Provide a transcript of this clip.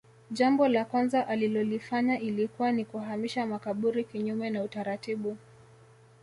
Jambo la kwanza alilolifanya ilikuwa ni kuhamisha makaburi kinyume na utaratibu